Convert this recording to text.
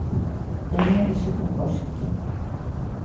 Teño ese propósito.